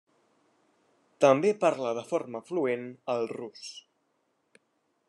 També parla de forma fluent el rus.